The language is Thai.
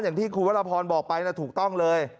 อย่างที่คุณวรพรบอกไปนะถูกต้องเลย